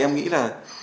em nghĩ là